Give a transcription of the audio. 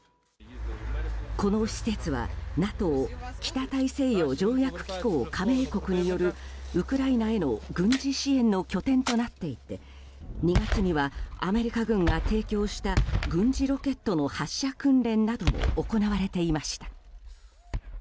この施設はＮＡＴＯ・北大西洋条約機構加盟国によるウクライナへの軍事支援の拠点となっていて２月にはアメリカ軍が提供した軍事ロケットの発射訓練なども行われていました。